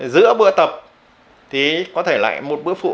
giữa bữa tập thì có thể lại một bữa phụ